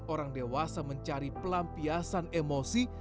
orang dewasa mencari pelampiasan emosi